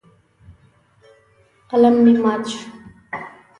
قلم مې مات شو.